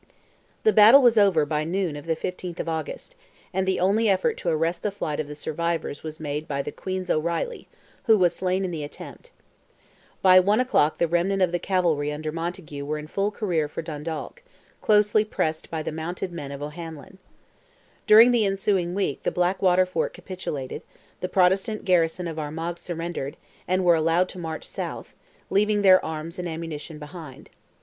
The battle was over by noon of the 15th of August; and the only effort to arrest the flight of the survivors was made by "the Queen's O'Reilly," who was slain in the attempt. By one o'clock the remnant of the cavalry under Montague were in full career for Dundalk, closely pressed by the mounted men of O'Hanlon. During the ensuing week the Blackwater fort capitulated; the Protestant garrison of Armagh surrendered; and were allowed to march south, leaving their arms and ammunition behind.